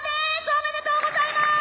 おめでとうございます！